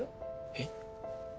えっ？